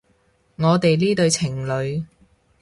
我哋呢對情侣